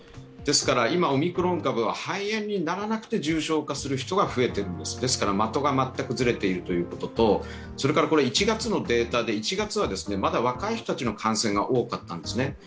ですから今、オミクロン株は肺炎にならなくて重症化する人が増えているんです、ですから的が全くずれているということと、それからこれは１月のデータで１月はまだ若い人たちの感染が多かったんですね。